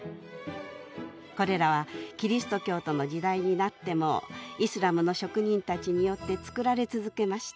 これらはキリスト教徒の時代になってもイスラムの職人たちによって作られ続けました。